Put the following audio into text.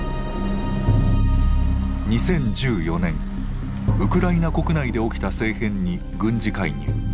２０１４年ウクライナ国内で起きた政変に軍事介入。